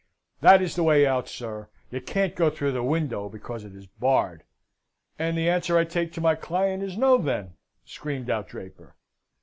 "That is the way out, sir. You can't go through the window, because it is barred," says Mr. Warrington. "And the answer I take to my client is No, then!" screamed out Draper.